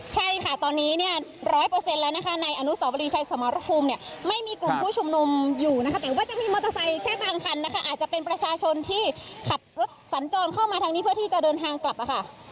ใช่ค่ะตอนนี้เนี่ยร้อยเปอร์เซ็นต์แล้วนะคะในอนุสาวรีชัยสมรภูมิเนี่ยไม่มีกลุ่มผู้ชุมนุมอยู่นะคะแต่ว่าจะมีมอเตอร์ไซค์แค่บางคันนะคะอาจจะเป็นประชาชนที่ขับรถสัญจรเข้ามาทางนี้เพื่อที่จะเดินทางกลับมาค่ะ